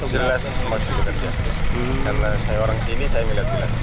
jelas masih bekerja karena saya orang sini saya melihat jelas